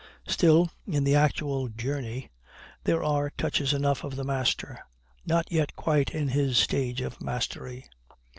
Still, in the actual "journey," there are touches enough of the master not yet quite in his stage of mastery.